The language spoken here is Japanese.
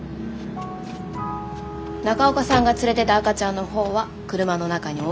中岡さんが連れてた赤ちゃんのほうは車の中に置いておいた。